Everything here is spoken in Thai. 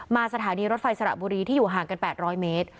สถานีรถไฟสระบุรีที่อยู่ห่างกัน๘๐๐เมตร